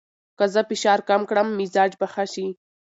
که زه فشار کم کړم، مزاج به ښه شي.